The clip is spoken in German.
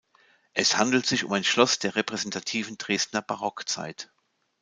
Es handelt sich um ein Schloss der repräsentativen Dresdner Barockzeit.